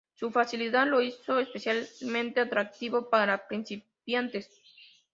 Su facilidad lo hizo especialmente atractivo para principiantes.